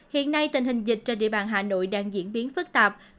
hiện nay tình hình dịch trên địa bàn hà nội đang diễn biến phức tạp